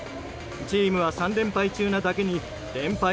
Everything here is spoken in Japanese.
チームは３連敗中なだけに連敗